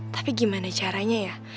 tapi gimana caranya ya